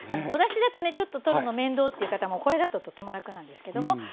おだしだとねちょっととるの面倒っていう方もこれだととても楽なんですけども。